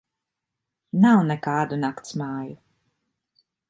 Nav nekādu naktsmāju.